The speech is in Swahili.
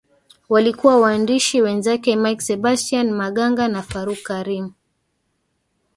Walikuwa waandishi wenzake Mike Sebastian Maganga na Farouq Karim